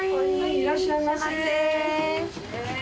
いらっしゃいませ。